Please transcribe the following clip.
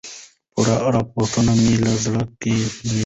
پورې راپورې مې له زړه که جينۍ